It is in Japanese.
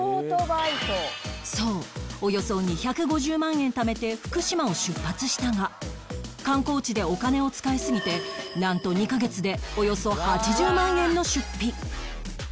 そうおよそ２５０万円ためて福島を出発したが観光地でお金を使いすぎてなんと２カ月でおよそ８０万円の出費